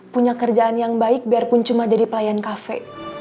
punya kerjaan yang baik biarpun cuma jadi pelayan kafe